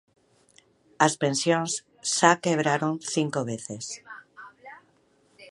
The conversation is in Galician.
As pensións xa quebraron cinco veces.